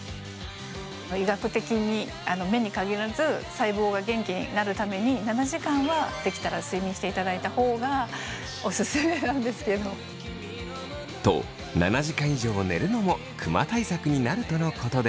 医学的に目に限らず細胞が元気になるために７時間はできたら睡眠していただいたほうがオススメなんですけど。と７時間以上寝るのもクマ対策になるとのことでした。